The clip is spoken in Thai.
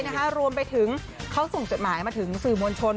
รวมไปถึงเขาส่งจดหมายมาถึงสื่อมวลชน